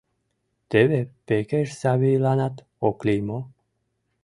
Теве Пекеш Савийланат ок лий мо?